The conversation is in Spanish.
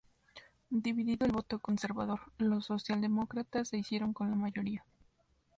Dividido el voto conservador, los socialdemócratas se hicieron con la mayoría.